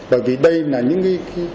bởi vì đây là những cái